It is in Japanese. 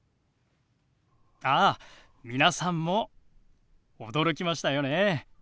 ああ皆さんも驚きましたよね？